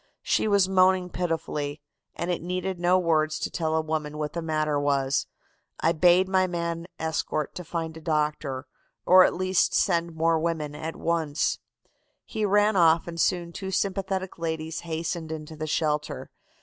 She was moaning pitifully, and it needed no words to tell a woman what the matter was, I bade my man escort to find a doctor, or at least send more women at once. He ran off and soon two sympathetic ladies hastened into the shelter.